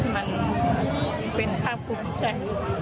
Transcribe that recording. มันเป็นภาพภูมิใจ